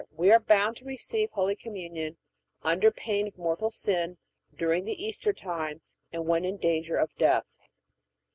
We are bound to receive Holy Communion, under pain of mortal sin, during the Easter time and when in danger of death.